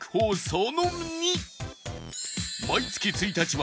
その２